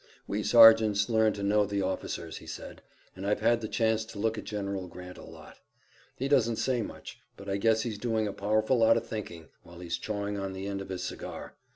"We sergeants learn to know the officers," he said, "and I've had the chance to look at General Grant a lot. He doesn't say much, but I guess he's doing a powerful lot of thinking, while he's chawing on the end of his cigar.